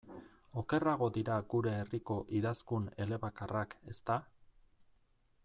Okerrago dira gure herriko idazkun elebakarrak, ezta?